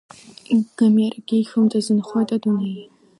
Гомер егьихьуам, дазынхоит адунеи!